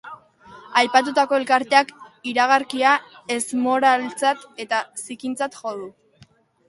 Aipatutako elkarteak iragarkia ezmoraltzat eta zikintzat jo du.